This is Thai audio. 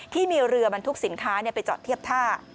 ที่มีเรือบรรทุกสินค้าไปจอดเทียบท่า